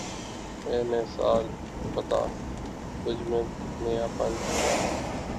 اے نئے سال بتا، تُجھ میں نیا پن کیا ہے؟